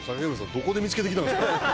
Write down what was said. どこで見つけてきたんですか？